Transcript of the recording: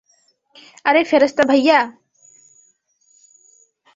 আরে ফেরেশতা ভাইয়া!